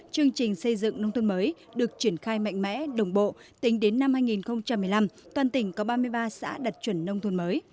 chương trình xây dựng nông thôn mới được triển khai mạnh mẽ đồng bộ tính đến năm hai nghìn một mươi năm toàn tỉnh có ba mươi ba xã đặt chuẩn nông thôn mới